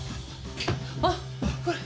あっこれ。